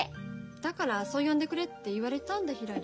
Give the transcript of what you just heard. だからそう呼んでくれって言われたんだひらり。